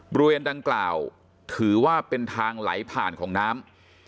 บริเวณดังกล่าวถือว่าเป็นทางไหลผ่านของน้ำ